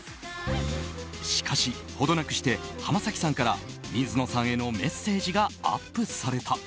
しかし、程なくして浜崎さんから水野さんへのメッセージがアップされた。